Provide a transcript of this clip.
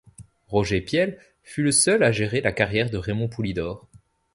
Roger Piel fut le seul a gérer la carrière de Raymond Poulidor.